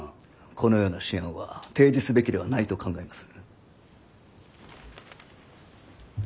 このような私案は提示すべきではないと考えます。